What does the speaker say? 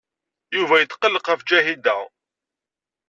Yuba yetqelleq ɣef Ǧahida.